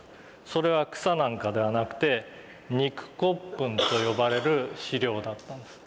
それは草なんかではなくて「肉骨粉」と呼ばれる飼料だったんです。